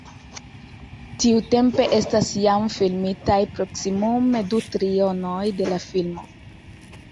Tiutempe estas jam filmitaj proksimume du trionoj de la filmo.